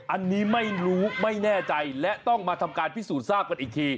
อันนี้ไม่รู้ไม่แน่ใจและต้องมาทำการพิสูจน์ทราบกันอีกที